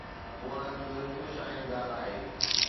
اها هڪ خوش آئند ڳالهه آهي.